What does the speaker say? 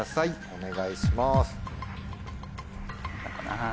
お願いします。